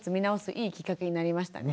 いいきっかけになりましたね。